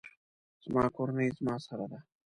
زما کورنۍ زما سره ده